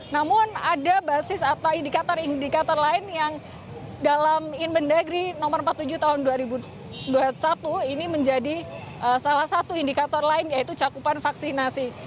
namun ada basis atau indikator indikator lain yang dalam inbendagri no empat puluh tujuh tahun dua ribu dua puluh satu ini menjadi salah satu indikator lain yaitu cakupan vaksinasi